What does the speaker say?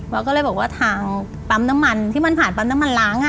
ก็เลยบอกว่าทางปั๊มน้ำมันที่มันผ่านปั๊มน้ำมันล้าง